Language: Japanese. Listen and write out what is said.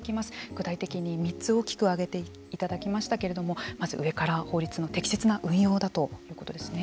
具体的に３つ大きく挙げていただきましたけれどもまず上から法律の適切な運用だということですね。